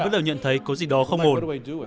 bắt đầu nhận thấy có gì đó không ổn